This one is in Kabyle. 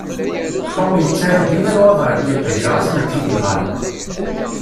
Tom yettarra dima nnwaḍer n yiṭij, ɣas mačči deg berra.